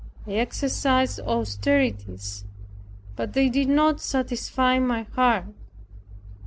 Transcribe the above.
I exercised austerities, but they did not satisfy my heart.